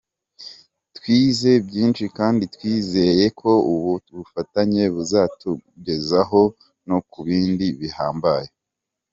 Twize byinshi kandi twizeye ko ubu bufatanye buzatugeza no ku bindi bihambaye.